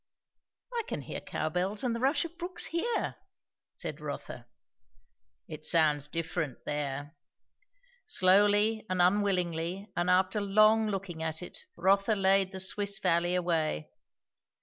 "I can hear cowbells and the rush of brooks here," said Rotha. "It sounds different there." Slowly and unwillingly and after long looking at it, Rotha laid the Swiss valley away.